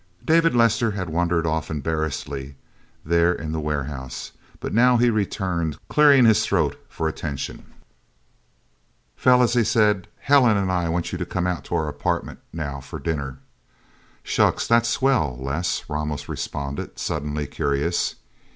Dave Lester had wandered off embarrassedly, there in the warehouse. But now he returned, clearing his throat for attention. "Fellas," he said. "Helen and I want you to come out to our apartment, now, for dinner." "Shucks, that's swell, Les," Ramos responded, suddenly curious.